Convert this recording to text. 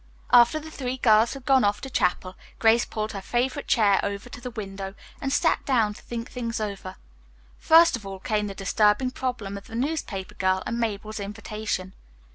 After the three girls had gone off to chapel Grace pulled her favorite chair over to the window and sat down to think things over. First of all came the disturbing problem of the newspaper girl and Mabel's invitation.